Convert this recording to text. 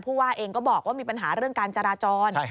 ว่าเองก็บอกว่ามีปัญหาเรื่องการจราจร